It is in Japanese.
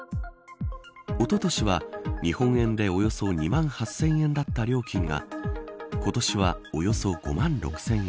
おととしは日本円でおよそ２万８０００円だった料金が今年は、およそ５万６０００円。